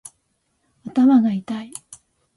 頭がいたい